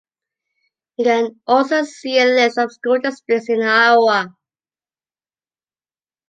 You can also see a list of school districts in Iowa.